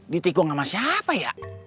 ditikung sama siapa ya